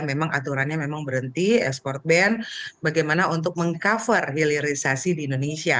memang aturannya memang berhenti ekspor ben bagaimana untuk meng cover hilirisasi di indonesia